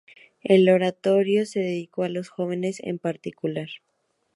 El Oratorio se dedicó a los jóvenes, en particular.